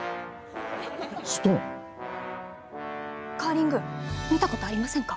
カーリング見たことありませんか？